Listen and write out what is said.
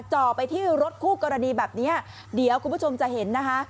จ่อไปที่รถคู่กรณีแบบนี้เดี๋ยวคุณผู้ชมจะเห็นนะคะ